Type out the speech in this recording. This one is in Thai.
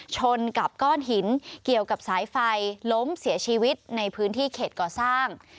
ชนกับก้อนหินเกี่ยวกับสายไฟล้มเสียชีวิตในพื้นที่เขตก่อสร้าง